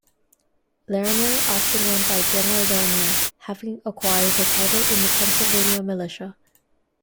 Larimer often went by "General Larimer", having acquired the title in the Pennsylvania Militia.